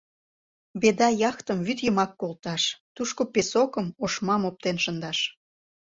«Беда» яхтым вӱд йымак колташ тушко песокым — ошмам оптен шындаш!